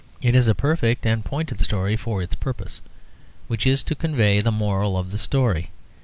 It is a perfect and pointed story for its purpose, which is to convey the moral of the story.